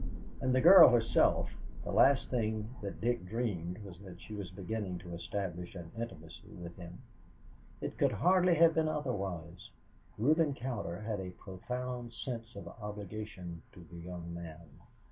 And the girl herself the last thing that Dick dreamed was that she was beginning to establish an intimacy with him. It could hardly have been otherwise. Reuben Cowder had a profound sense of obligation to the young man.